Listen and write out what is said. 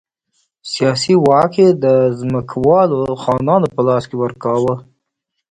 سیاسي واک یې د ځمکوالو خانانو په لاس کې ورکاوه.